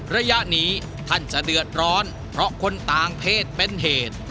ระยะนี้ท่านจะเดือดร้อนเพราะคนต่างเพศเป็นเหตุ